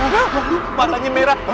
bapak tanya merah